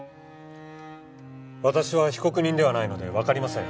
私は被告人ではないのでわかりません。